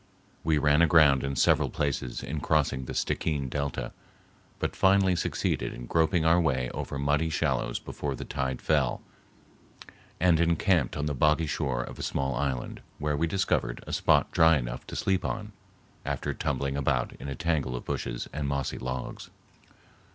We ran aground in several places in crossing the Stickeen delta, but finally succeeded in groping our way over muddy shallows before the tide fell, and encamped on the boggy shore of a small island, where we discovered a spot dry enough to sleep on, after tumbling about in a tangle of bushes and mossy logs.